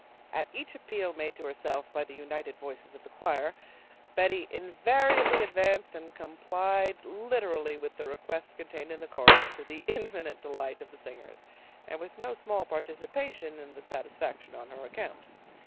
At each appeal made to herself, by the united voices of the choir, Betty invariably advanced and complied literally with the request contained in the chorus, to the infinite delight of the singers, and with no small participation in the satisfaction on her account.